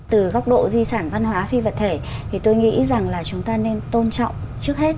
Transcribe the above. từ góc độ di sản văn hóa phi vật thể thì tôi nghĩ rằng là chúng ta nên tôn trọng trước hết